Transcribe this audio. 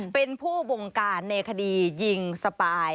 เป็นผู้บงการในคดียิงสปาย